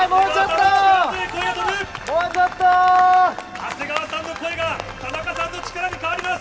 長谷川さんの声が、田中さんの力に変わります。